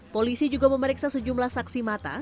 polisi juga memeriksa sejumlah saksi mata